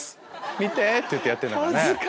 「見て」って言ってやってる。